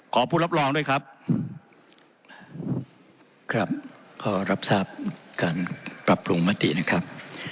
ขอผู้รับรองด้วยครับครับก็รับทราบการปรับปรุงมตินะครับ